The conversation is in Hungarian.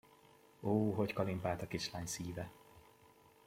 Ó, hogy kalimpált a kislány szíve!